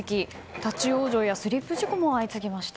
立ち往生やスリップ事故も相次ぎました。